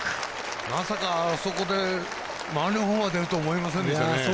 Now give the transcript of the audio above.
まさか、あそこで満塁ホームランが出るとは思いませんでした。